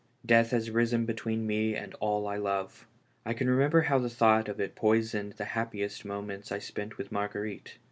Death has risen between me and all I love ; I can remember bow the thought of it poisoned the hap piest moments I spent with Marguerite.